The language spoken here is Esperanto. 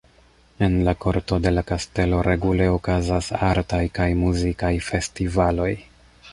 En la korto de la kastelo regule okazas artaj kaj muzikaj festivaloj.